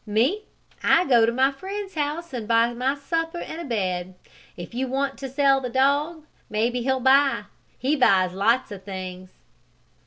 Me, I go to my friend's house and buy my supper and a bed. If you want to sell the dog maybe he'll buy he buys lots of things."